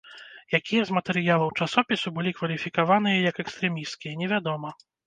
Якія з матэрыялаў часопісу былі кваліфікаваныя як экстрэмісцкія, невядома.